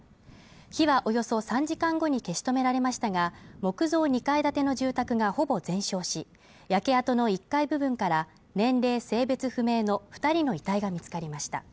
火はおよそ３時間後に消し止められましたが木造２階建ての住宅がほぼ全焼し焼け跡の１階部分から年齢性別不明の２人の遺体が見つかりました。